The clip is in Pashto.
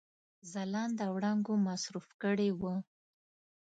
ځلانده وړانګو مصروف کړي وه.